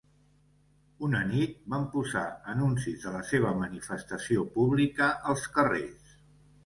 Una nit, van posar anuncis de la seva manifestació pública als carrers.